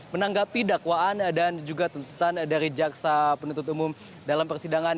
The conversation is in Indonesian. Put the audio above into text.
menanggapi dakwaan dan juga tuntutan dari jaksa penuntut umum dalam persidangan